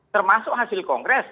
termasuk hasil kongres